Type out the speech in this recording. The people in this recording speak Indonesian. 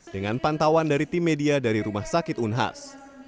dengan pantauan dari tim media dari rumah sakit unhas